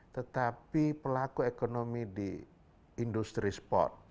tetapi pelaku ekonomi di industri sport